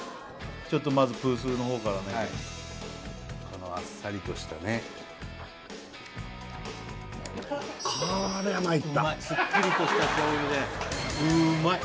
ちょっとまずプースーの方からねこのあっさりとしたねうまいすっきりとした醤油でうまい！